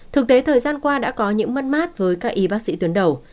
thực tế thời gian qua đã có những mất mát với các y bác sĩ tuyến đầu